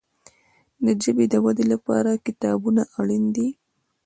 د ژبي د ودي لپاره کتابونه اړین دي.